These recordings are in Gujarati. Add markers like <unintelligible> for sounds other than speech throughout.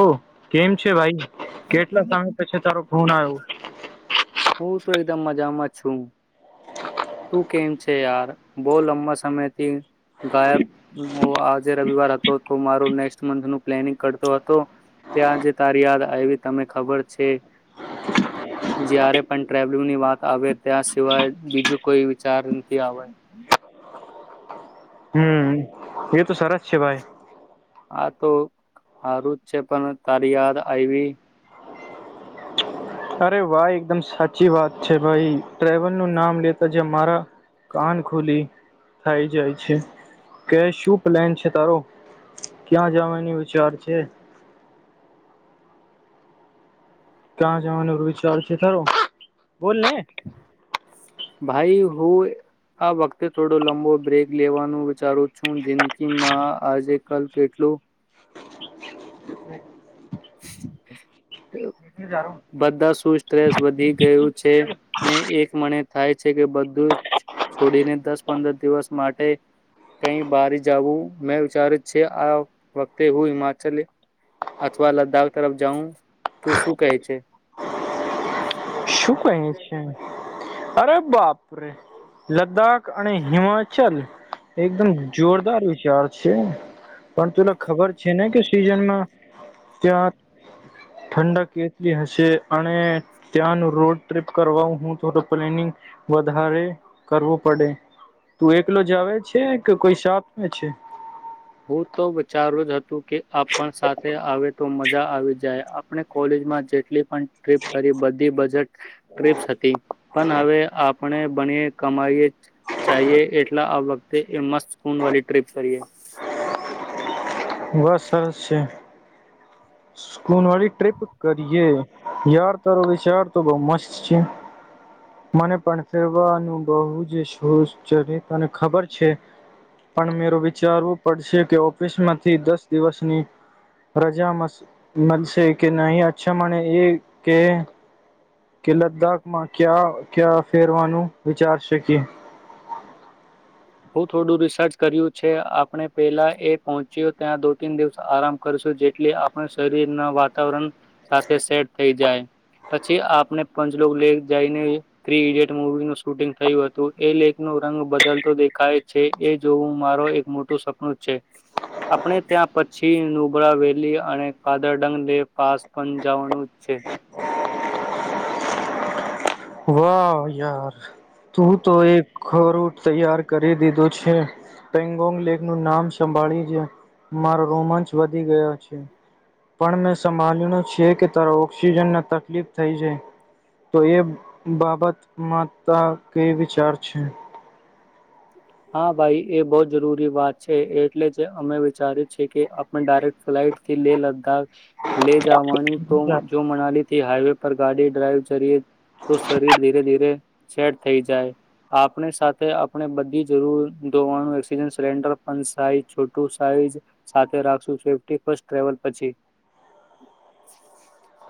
ઓ કેમ છે ભાઈ કેટલા સમય પછી તારો ફોન આવ્યો મ મજામાં છું તું કેમ છે યાર બહ લંબા સમયથી ગાયબ આજે રવિવાર હતો તો માર નેક્સ્ટ મંથ નું પ્લેનિંગ કરતો હતો ત્યાંજ તારી યાદ આવી તને ખબર છે જ્યારે પણ ટ્રવલંગની વાત આવે ત્યાં સિવાય બીજું કોઈ વિચાર નથી આવે હમ એ તો સરસ છે ભાઈ આ તો હારું જ છે પણ તારી યાદ આવી અરે વાહ એકદમ સાચી વાત છે ભાઈ ટ્રવલ નું નામ લેતા જ મારા કાન ખુલી થાય જાય છે કે શું પ્લેન છે તારો ક્યાં જવાની વિચાર છે ક્યાં જવાનો વિચાર છે તાર બોલને ભાઈ હું આ વખતે થોડો લંબો બ્રેક લેવાનું વિચારું છું જિંદગીમાં આજે કલ કેટલું <unintelligible> બધા સચ સ વધી ગયું છે ને એક મને થાય છે કે બધું છોડીને દસ પંદર દિવસ માટે કઈ બારી જું મેં વિચાર છે આ વખતે હું હિમાચલ અથવા લદ્દાખ તરફ જઉં તું શું કેહે છે શું ક છે અરે બાપરે લદ્દાખ અને હિમાચલ એકદમ જોરદાર વિચાર છે પણ તેલા ખબર છે ને કે સીઝનમાં ત્યાં ઠંડા કેટલી હશે અને ત્યાંનું રોડ ટ્રીપ કરવા હું થો પ્લેનિંગ વધારે કરવું પડે તું એકલો જ આવે છે કે કોઈ સાતમે છે હું તો વિચારું જ હતું કે આપણ સાથે આવે તો મજા આવી જાય આપણે કોલેજમાં જેટલી પણ ટપ કરી બધી બજેટ ટપ હતી પણ હવે આપણે બને કમાવીએ ચઇએ એટલા આ વખતે એ મસ્ત ખૂન વાળી ટ્રીપ કરીએ બસ સરસ છે સ્કૂલ વાળી ટ્રીપ કરીએ યાર તાર વિચાર તો બઉ મસ્ત છે મને પણ ફેરવાનું બહુ જ શો ને ખબર છે પણ મે વિચારવું પડશે કે ઓફિસમાં થી દસ દિવસની રજા મસ મળશે કે નહી અચ્છા મળને એ કે કે લદ્દાખ માં ક્યા ક્યા ફેરવાનું વિચારશેકી બ થોડું રિસર્ચ કર્યું છે આપણે પેલા એ પહોંચ્યો ત્યાં દો તીન દિવસ આરામ કરશું જેટલી આપણા શરીર ના વાતાવરણ સાથે સેટ થઇ જાય પછી આપને પંચલોક લેક જઈને થ્રી ઈડિયટ મુવી નું શૂટિંગ થયું હતું એ લેક ન રંગ બદલતો દેખાય છે એ જોવું માર એક મોટું સપનું છે આપણે ત્યાં પછી નુબળ વેલી અને કાદર ડંગ લે પાસ પણ જવાનું છે ા યાર તું તો એક ખરુંટ તૈયાર કરી દીધું છે પેંગોંગ લેક નું નામ સંભાળ્યું છે મારો રોમાંચ વધી ગયો છે પણ મેં સંભળ્યું છે કે તારા ઓક્સિજન તકલીફ થઈ જાય તો એ બાબત માતા કે વિચાર છે હા ભાઈ એ બહુ જરૂરી વાત છે એટલે જ અમે વિચાર છી કે આપણે ડાયરેક્ટ ફ્લાઈટ થી લે લદ્દાખ લે જવાની તો જો મનાલી થી હાઈવે ગાડી ડ્રાઈવ કરીએ તો શરીર ધીરે ધીરે સેટ થઈ જાય આપણે સાથે આપણે બધી જરૂર ધોવાનું ઓક્જન સિલન્ડર સા છોટું સાઈઝ સાથે રાખશું સેફટી ફસ્ત ટેવલ પછી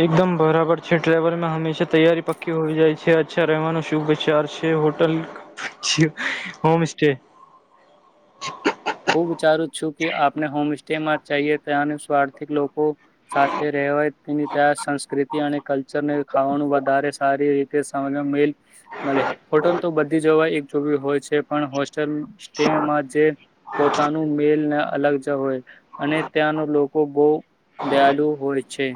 એકદમ બરાબર છે ટવલમાં હંમેશા તૈયારી પકી હો જાય છે અચ્છા રહેવાનો શુભ વિચાર છે હોટલ હોમ સે હું વિચારું છું કે આપને હોમસ્ટ્ટેમાં ચાએ કયાન સ્વાર્થિક લોકો સાથે રહેવાય તેની ત્યાં સંસ્કૃતિ અને કલ્ચરને ખાવાનું વધારે સારી રીતે સમિલ મળે ફોટલ તો બધી જવા એક જો હોય છે પણ હોસ્ટેલ સ્ટેમાં જે પોતાનું મેલને અલગ જ હોય અને ત્યાંનો લોકો બહુ દયાલુ હોય છે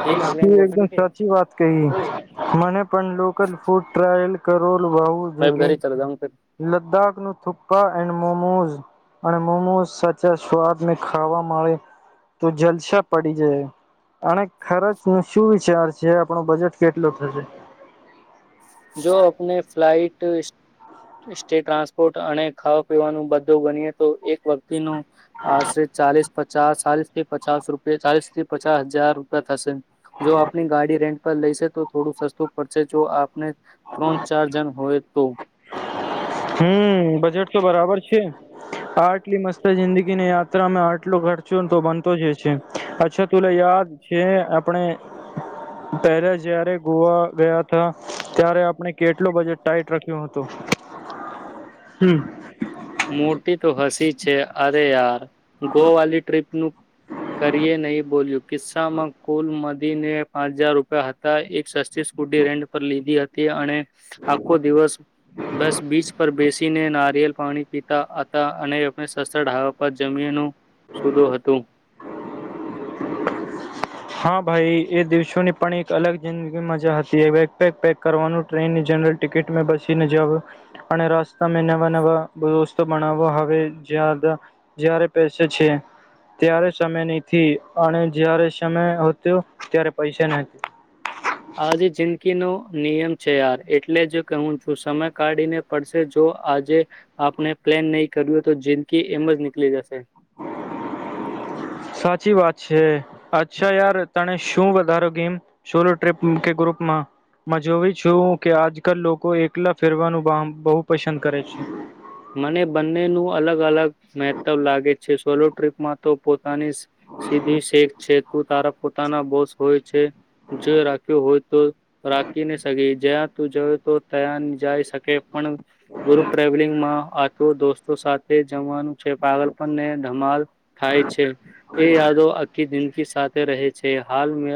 એ એકદમ સાચી વાત કહી મને પણ લોકલ ફૂડ ટ્રાયલ કરો <unintelligible> લદ્દાખ નું થુપ્પા એન્ડ મોમોઝ અને મોમોઝ સાચા સ્વાદને ખાવા મળે તો જલસા પડી જાય અને ખરજ શું વિચાર છે આપણો બજેટ કેટલો થશે જો આપને ફ્લાઇટ સ્ટેટ ટ્રાન્સપોર્ટ અને ખાવા પીવાનું બધું ગણીએ તો એક વ્યક્તિ નો આસરે ચાલીસ પચાસ ચાલીસ થી પચાસ રૂપ ચાલીસ થી પચાસ હજાર રૂપિયા થશે જો આપણી ગાડી રેન્ટ પર લઈશે તો થોડું સસ્તું પડશે જો આપને ત્રણ ચાર જણ હોય તો હમ બજેટ તો બરાબર છે આટલી મસ્ત જિંદગી ની યાત્રામાં આટલો ખર્ચો તો બનતો જ છે અચ્છા તુલા યાદ છે આપણે પહેલા જયારે ગોવા ગયા હતા ત્યારે આપણે કેટલું બજેટ ટાઈટ રાખ્યું હતું હમ. મોટી તો હ પસી છે અરે યાર ગો વાલી ટ્રિપ નું કરીએ નહી બોલ્યું કિસ્સામાં કુલ મદીને પાંચ હજાર રૂપિયા હતા એક સસ્તી સ્કૂટી રેન્ટ પર લીધી હતી અને આખો દિવસ બસ બીચ પર બેસીને નારિયેલ પાણી પીતા હતા અનેને સસરાવા પર જમીનું સુદો હતું હા ભાઈ એ દિવસોની પણ એક અલગ જિંદગી મજા હતી એ વગેગ પેક કરવાનું ટ્રેનની જનરલ ટિકિટ બસીને જવ અને રસ્તા મે નવા નવા રસ્ત બનાો હવે જ જ્યારે પેસે છે ત્યારે સમય નથી અને જ્યારે તમે હશે ત્યારે પૈસા નાખીએ આજે જે કી નો નિયમ છે યાર એટલે જ હું છું સમય કાઢીને પડશે જો આજે આપણે પ્લેન નહી કર્યું તો જિંદગી એમ જ નીકળી જશે સાચી વાત છે અચ્છા યાર તને શું વધારો ગેમ સોલો ટ્ર્રીપ કે ગ્રુપમાં જોયું છું કે આજકાલ લોકો એકલા ફેરવાનું બહુ પસંદ કરે છે મને બંનેનું અલગ અલગ મહત્વ લાગે છે સોલો ટ્રીપમાં તો પો પોતાની સીધી શેખ છે તું તારા પોતાના બોસ હોય છે જો રાખ્યો હોય તો રાખીને સગી જા તું જોય તો તયા જાય શકે પણ ગુરુ ટ્રાવલિંગ માં આ તો દોસ્તો સાથે જમવાનું છે પાગલ પણ ને ધમાલ થાય છે એ યાદો આખી જિંદગી સાથે રહે છે હાલ મે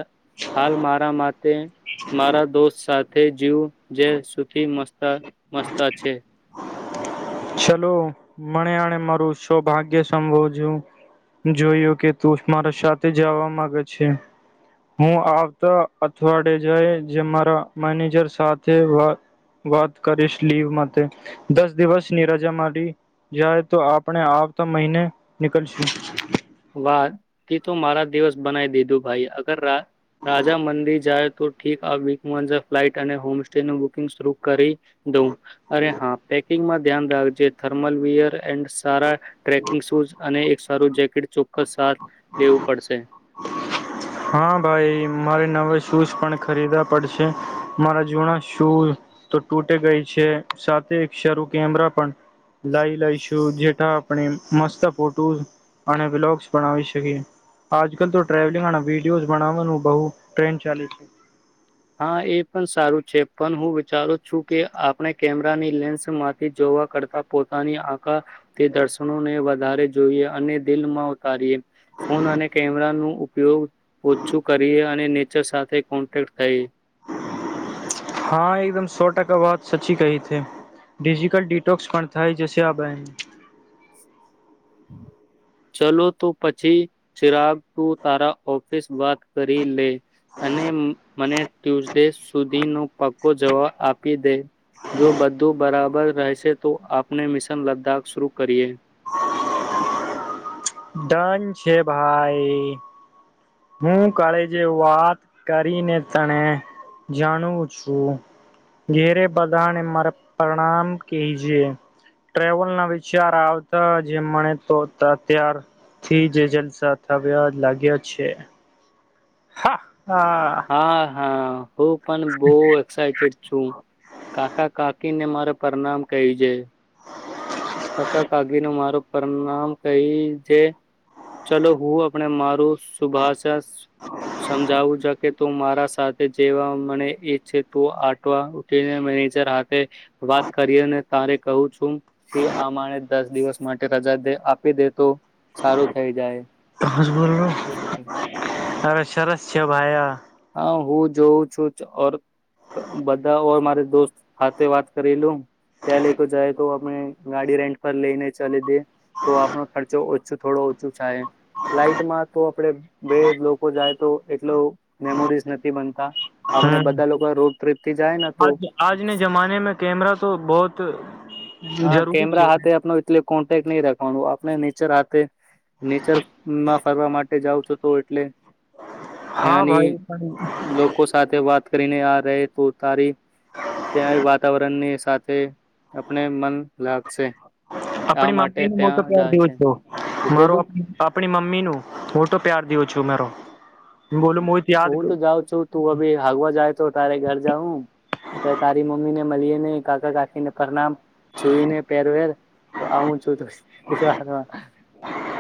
હાલ મારા માટે મારા દોસ્ત સા થે જીવ જે સુખી મસ્ત સ્તા મસ્તા છે ચલો મણે આણે મારું સૌભાગ્ય સંભોજું જોયું કે તું મારા સાથે જવા માગે છે હું આવતા અઠવાડે જાય જે મારા મેનેજર સાથે વા વાત કરીશ લીવ માટે દસ દિવસની રજા મળી જાય તો આપણે આવતા મહિને નીકલશું વા તી તો મારા દિવસ બનાઇ દીધું ભાઈ અગર રા રાજા મંદિર જાય તો ઠીક આ વીકમાં જ ફ્લાઇટ અને હોમ સસ્ટેનું બુકિંગ શર કરી દઉં અરે હા પેકિંગમાં ધ્યાન રાખજે થર્મલ વીયર એન્ડ સારા ટ્રેકિંગ શૂઝ અને એક સારું જેકેટ ચોક્કસ સાથ લેવું પડશે હા ભાઈ મારે નવા શૂઝ પણ ખરીદવા પડશે મારા જૂના શૂઝ તો તૂટે ગઈ છે સાથે એક શરૂ કેમેરા પણ લઈ લઈશું જેટા આપણે મસ્ત ફોટોસ અને વ્લોગ્સ બનાવી શકીએ આજકાલ તો ટ્રાવલિંગ અને વિડિઓઝ બનાવાનું બહુ ટ્રેન્ડ ચાલે છે હા એ પણ સારું છે પન હું વિચારું છું કે આપણે કેમેરાની લેન્સમાંથી જોવા કરતા પોતાની આં તે દર્શનોને વધ વધારે જોઈએ અને દિલમાં ઉતારીએ ફોન અને કેમેરા ન ઉપયોગ ઓછું કરીએ અને ચર સાથે કોન્ટેક્ટ થઇએ હા એકદમ સો ટકા વાત સચી કહી થ ડિજિટલ ડિટોક્સ પણ થાય જ આપ આ ચલો તો પછી ચિરાગ તું તારા ઓફિસ બાદ કરી લે અને મને ટ્યુઝડે સુધી ન પગ કો જવાબ આપી દે જો બધું બરાબર રહેશે તો આપણે મિશન લદ્દાખ શરૂ કરીએ ડન છે ભાઈ હું કાલે જે વાત કરીને તને જાણું છું ઘેરે બધાને મારા પરણામ કહીજે ટલ ના વિચાર આવતા જે મણે તો અત્યારથી જ જલસા થ લાગ્યા છે હા હા હા હ પણ બુ એક્સાઈ ટેડ છું કાકા કાકીને મારે પરણામ કહી છે કકા કાગીનું મારું પરણામ કહી જે ચલો હું આપણે મારું શુભાષા સમજાવું જો કે તું મારા સાથે જેવા મને ઈચ્છ ત આટવા ઉ મેનેજરા થે વાત કરી અને તારે કહું છું કી અમારે દસ દિવસ માટે રજા દે આપી દે તો સારું થઈ જાય તમેજ બોલો અરે સરસ છે ભાઈ આ હું જોઉં છું ઓર બધા ઓર મારે દોસ્ત સાથે વાત કરીલું ત્યાં લોકો જા મેમોરીઝ નથી બનતા આપણે હમ બધા લોકો રોડ ટ્રીપ થી જાય ને તો આજ આજને જમાને મે કેમરા તો બોહત હા કેમરા હાથે આપનો એતલે કોન્ટેક નહી રાખવાનું આપણે નેચર હાથે નેચરમાં ફરવા માટે જાઉ છું તો એટલે હા ત્યાંની ભાઈ પણ લોકો સાથે વાત કરીને આ રહે તો તારી ત્યાં વાતાવરણની સાથે આપણે મન લાગશે આ આપણી માટે મમ્મી નું હું તો ત્યાં પ્યાર જાય દવ છે. છું હું મારો કીધું આપણી મમ્મી નું હું તો પ્યાર દવું છ છુંમેરો હું તો જાઉં છું તું હવે હગવા જાય તો તારે ઘર જાઉ અ્યારે તારી મમ્મી ને મળીએ કાકા કાકીને પરનામ જોઈ ને પેરવેર તો આવું છું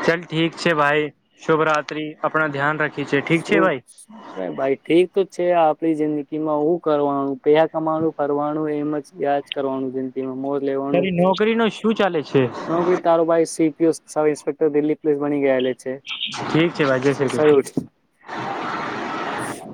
ચલ ઠીક છે ભાઈ શુભરાત્રીિ આપણા ધ્યાન રાખી છે ઠીક છે તું ભાઈ ભાઈ ઠીક છે આપણી જિંદગી માં હું કરવાનું પેયહા કમાનું ફરવાનું એમ જ યાજ કરવાનું જિંદગીમાં મોત લેવાનું તારી નોકરી નું શું ચાલે છે નોકરી તારોબાઈ CPS sub inspector Delhi police બની ગયાે છે ઠીક છે ભાઈ જય શ્રી કૃષ હ